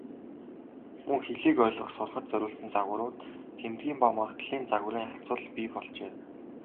Мөн хэлийг ойлгох, сурахад зориулсан загварууд, тэмдгийн ба магадлалын загварын харьцуулал бий болжээ.